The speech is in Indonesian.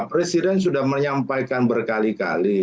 presiden sudah menyampaikan berkali kali